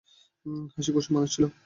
হাসি, খুশি মানুষ ছিল।